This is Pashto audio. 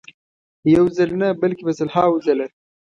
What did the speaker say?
یو ځل نه بلکې په سلهاوو ځله.